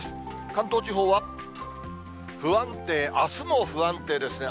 関東地方は不安定、あすも不安定ですね。